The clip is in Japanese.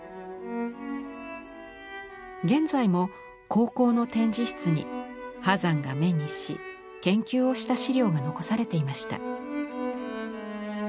現在も高校の展示室に波山が目にし研究をした資料が残されていました。